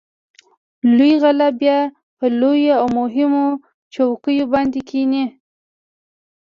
لوی غله بیا په لویو او مهمو چوکیو باندې کېني.